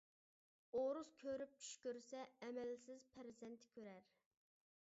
ئورۇس كۆرۈپ چۈش كۆرسە ئەمەلسىز پەرزەنت كۆرەر.